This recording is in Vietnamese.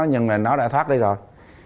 nhưng mà nó đã thoát đấy rồi